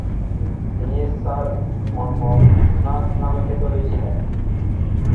তিনি স্যার মন্মথনাথ নামে খ্যাত হয়েছিলেন।